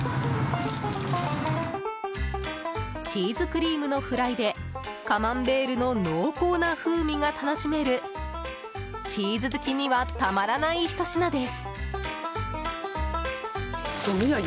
チーズクリームのフライでカマンベールの濃厚な風味が楽しめるチーズ好きにはたまらないひと品です。